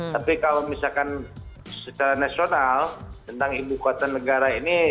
tapi kalau misalkan secara nasional tentang ibu kota negara ini